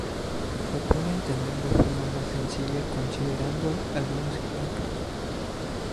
Se puede entender de forma más sencilla considerando algunos ejemplos.